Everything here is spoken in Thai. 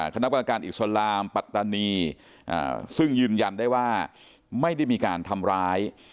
คณะกรรมการอิสลามปัตตานีซึ่งยืนยันได้ว่าไม่ได้มีการทำร้าย